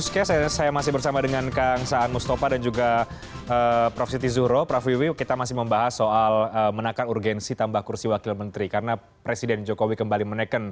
kami harus jeda kami akan segera kembali